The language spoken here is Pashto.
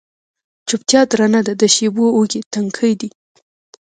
چوپتیا درنه ده د شېبو اوږې، تنکۍ دی